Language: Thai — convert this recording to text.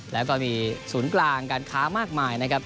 แล้วก็มีศูนย์กลางการค้ามากมายนะครับ